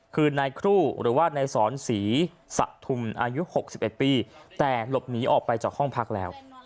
คือนายครูหรือว่านายสอนศรีสะทุมอายุ๖๑ปีแต่หลบหนีออกไปจากห้องพักแล้ว